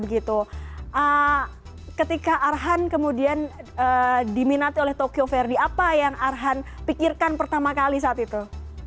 ketika arhan kemudian diminati oleh tokyo verde apa yang arhan pikirkan pertama kali saat itu